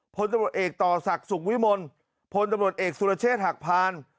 พลตำรวจเอกต่อศักดิ์สุขวิมลพลตำรวจเอกสุรเชษฐ์หักพาน